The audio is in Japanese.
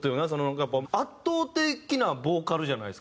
やっぱ圧倒的なボーカルじゃないですか。